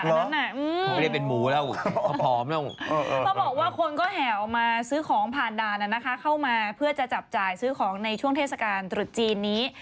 เขาบอกว่าคนก็แห่วมาซื้อของผ่านด่านเข้ามาเพื่อจะจับจ่ายซื้อของในช่วงเทศกาลตรุษจีนนี้